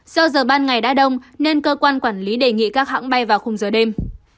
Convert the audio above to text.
do giờ ban ngày đã đông nên cơ quan quản lý đề nghị các hãng bay vào khung giờ đêm